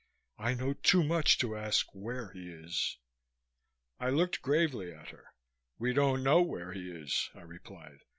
"I know too much to ask where he is." I looked gravely at her. "We don't know where he is," I replied.